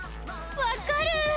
わかる！